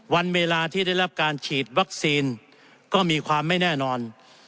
วันเวลาที่ได้รับการฉีดวัคซีนก็มีความไม่แน่นอน